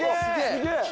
すげえ。